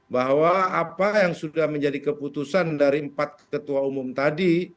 bahwa apa yang sudah menjadi keputusan dari empat ketua umum tadi